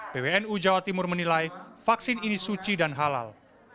pwnu jawa timur menilai vaksin ini suci dan halal